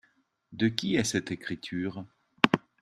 De qui est cette écriture ?